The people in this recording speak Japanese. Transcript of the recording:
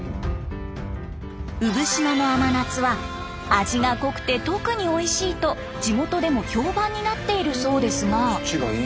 産島の甘夏は味が濃くて特においしいと地元でも評判になっているそうですが。